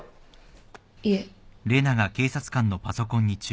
いえ。